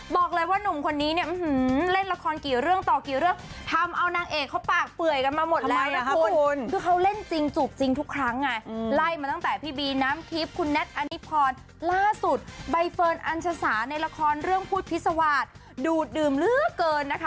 บอกเลยว่านุ่มคนนี้เนี่ย